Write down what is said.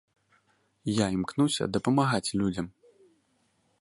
Я імкнуся дапамагаць людзям.